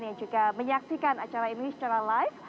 yang juga menyaksikan acara ini secara live